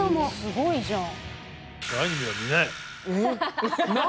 すごいじゃん。